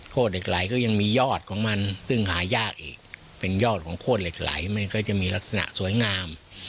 เหล็กไหลก็ยังมียอดของมันซึ่งหายากอีกเป็นยอดของโคตรเหล็กไหลมันก็จะมีลักษณะสวยงาม